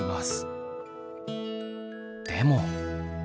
でも。